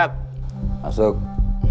sampai jumpa lagi